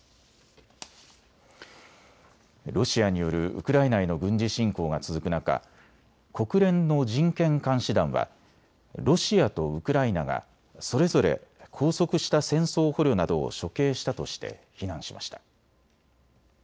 ロシアによるウクライナへの軍事侵攻が続く中、国連の人権監視団はロシアとウクライナがそれぞれ拘束した戦争捕虜などを処刑したとして非難しました。